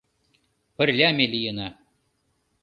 Пырля ме лийына.